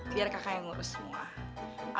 biar kakak yang ngurus semua